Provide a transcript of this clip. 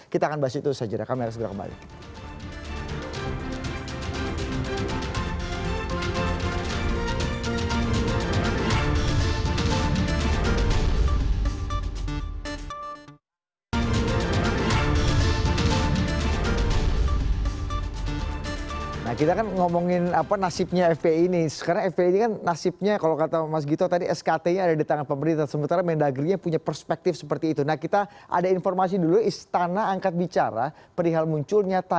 kita akan bahas itu selanjutnya